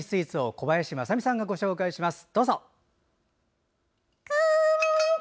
小林まさみさんがご紹介します。